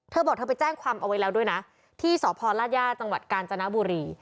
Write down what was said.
เธอบอกเธอไปแจ้งความเอาไว้แล้วด้วยนะที่สพลาดย่าจังหวัดกาญจนบุรี